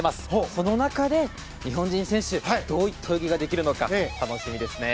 その中で日本人選手、どういった泳ぎができるのか楽しみですね。